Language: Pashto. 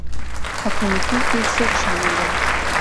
په کمیټو کي څوک شامل دي؟